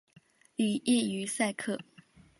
里耶于塞克。